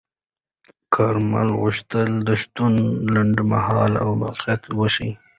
کارمل غوښتل د شتون لنډمهاله او موقت وښيي.